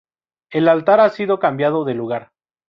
El altar ha sido cambiado de lugar.